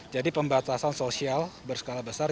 jadi pembatasan sosial berskala besar